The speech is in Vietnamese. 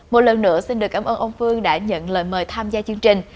một lần nữa xin được cảm ơn ông phương đã nhận lời mời tham gia chương trình